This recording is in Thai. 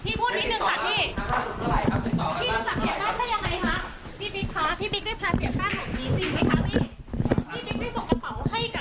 พี่บิ๊กค่ะพี่บิ๊กได้พาเสียแป้งหลบนี้จริงไหมคะพี่